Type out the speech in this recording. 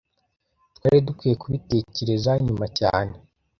Twari dukwiye kubitekereza nyuma cyane